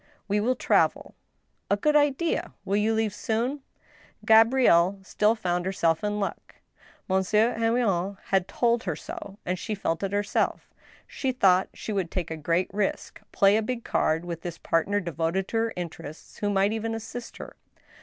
" We will travel." " A good idea. Will you leave soon ?" Gabrielle still found herself in luck. Monsieur Henrion had told her so, and she felt it herself. She thought she would take a g^reat risk, play a big card with this partner devoted to her interests, who might even assist her.